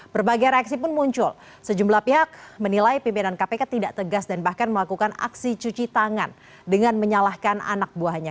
berbagai reaksi pun muncul sejumlah pihak menilai pimpinan kpk tidak tegas dan bahkan melakukan aksi cuci tangan dengan menyalahkan anak buahnya